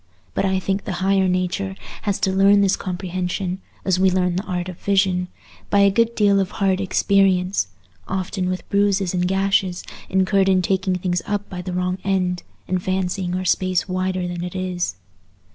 But I think the higher nature has to learn this comprehension, as we learn the art of vision, by a good deal of hard experience, often with bruises and gashes incurred in taking things up by the wrong end, and fancying our space wider than it is.